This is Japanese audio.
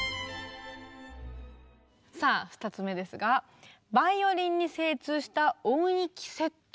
さあ２つ目ですが「バイオリンに精通した音域設定」。